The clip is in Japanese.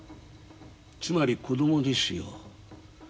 つまり子供ですよ。